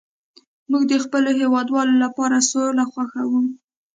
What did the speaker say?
موږ د خپلو هیوادوالو لپاره سوله خوښوو